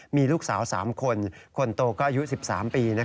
มีลูกสาว๓คนคนโตก็อายุ๑๓ปี